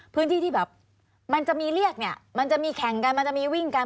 พื้นที่ที่แบบมันจะมีเรียกเนี่ยมันจะมีแข่งกันมันจะมีวิ่งกัน